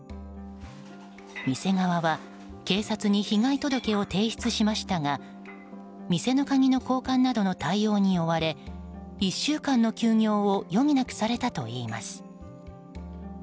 店側は警察に被害届を提出しましたが店の鍵の交換などの対応に追われ１週間の休業を余儀なくされたといいます。